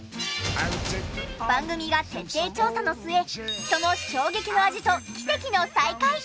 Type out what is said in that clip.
番組が徹底調査の末その衝撃の味と奇跡の再会！